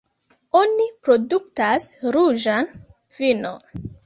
Oni produktas ruĝan vinon.